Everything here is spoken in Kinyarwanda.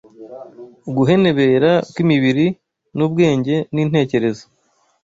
uguhenebera kw’imibiri n’ ubwenge n’intekerezo.